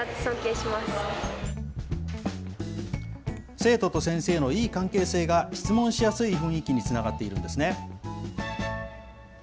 生徒と先生のいい関係性が、質問しやすい雰囲気につながっているんですね。